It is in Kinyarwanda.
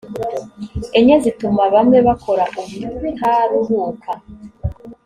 enye zituma bamwe bakora ubutaruhuka